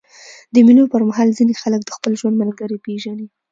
د مېلو پر مهال ځيني خلک د خپل ژوند ملګری پېژني.